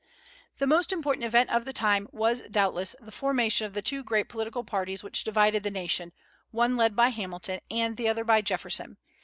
The most important event of the time was, doubtless, the formation of the two great political parties which divided the nation, one led by Hamilton and the other by Jefferson.